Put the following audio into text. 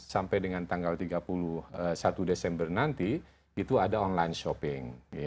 dan sampai dengan tanggal tiga puluh satu desember nanti itu ada online shopping